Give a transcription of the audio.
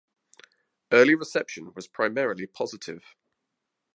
Early reception was primarily positive.